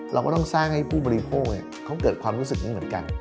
เราก็ต้องสร้างให้ผู้บริโภคเขาเกิดความรู้สึกนี้เหมือนกัน